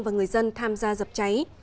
và người dân tham gia dập trái